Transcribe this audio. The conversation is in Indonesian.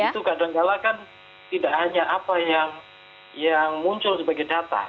itu kadangkala kan tidak hanya apa yang muncul sebagai data